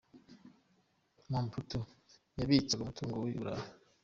Mobutu yabitsaga umutungo we i Burayi.